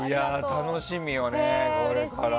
楽しみよね、これから。